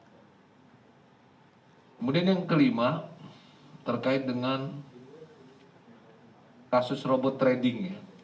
kemudian yang kelima terkait dengan kasus robot trading